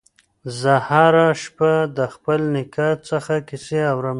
زه هره شپه د خپل نیکه څخه کیسې اورم.